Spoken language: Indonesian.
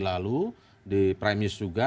lalu di prime news juga